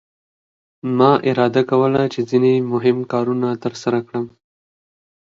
ما اداره کوله چې ځینې مهم کارونه ترسره کړم.